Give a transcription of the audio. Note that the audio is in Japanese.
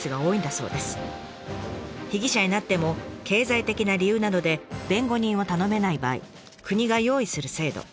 被疑者になっても経済的な理由などで弁護人を頼めない場合国が用意する制度。